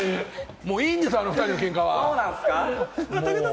もういいんですよ、あの２人のけんかは。